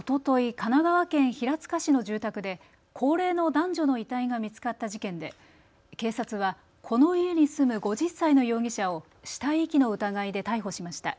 神奈川県平塚市の住宅で高齢の男女の遺体が見つかった事件で警察は、この家に住む５０歳の容疑者を死体遺棄の疑いで逮捕しました。